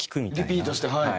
リピートしてはい。